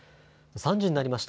３時になりました。